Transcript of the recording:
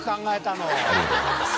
ありがとうございます。